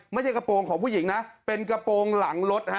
ไม่ใช่กระโปรงของผู้หญิงนะเป็นกระโปรงหลังรถฮะ